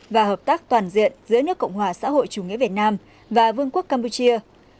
và hợp tác toàn diện giữa nước cộng hòa xã hội chủ nghĩa việt nam và vương quốc campuchia